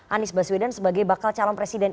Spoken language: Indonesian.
anies baswedan sebagai bakal calon presiden